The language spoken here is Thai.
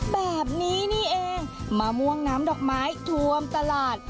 แบบนี้นี่เองมะม่วงน้ำดอกไม้ทวมตลาด